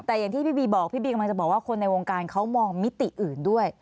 แต่อย่างที่พี่บีบอกพี่บีกำลังจะบอกว่าคนในวงการเขามองมิติอื่นด้วย